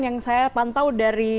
yang saya pantau dari